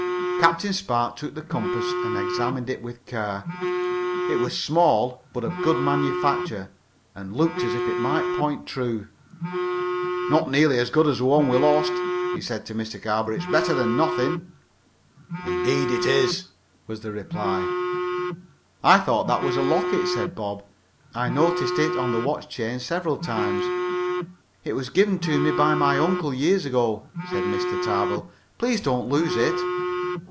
Captain Spark took the compass and examined it with care. It was small, but of good manufacture, and looked as if it might point true. "Not near as good as the one we lost," he said to Mr. Carr. "But it is better than nothing." "Indeed it is," was the reply. "I thought that was a locket," said Bob. "I noticed it on the watch chain several times." "It was given to me by my uncle, years ago," said Mr. Tarbill. "Please don't lose it."